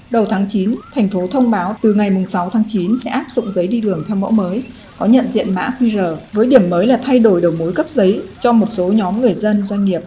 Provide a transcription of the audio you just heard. đầu tháng chín thành phố thông báo từ ngày sáu tháng chín sẽ áp dụng giấy đi đường theo mẫu mới có nhận diện mã qr với điểm mới là thay đổi đầu mối cấp giấy cho một số nhóm người dân doanh nghiệp